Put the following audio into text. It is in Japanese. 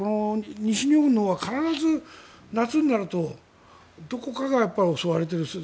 西日本のほうは必ず夏になるとどこかが襲われたりする。